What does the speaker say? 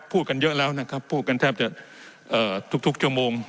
พูดกันเยอะแล้วนะครับพูดกันแทบจะทุกชั่วโมง